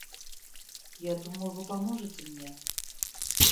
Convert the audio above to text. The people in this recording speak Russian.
Я думал, Вы поможете мне.